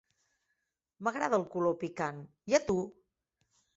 M'agrada el color picant, i a tu?